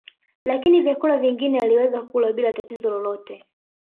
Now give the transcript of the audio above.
Lakini vyakula vingine aliweza kula bila tatizo lolote